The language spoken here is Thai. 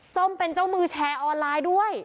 ส้มเป็นเจ้ามือแชร์ออนไลน์ด้วย